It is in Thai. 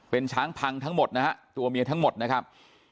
เป็นช้างพังทั้งหมดนะฮะตัวเมียทั้งหมดนะครับ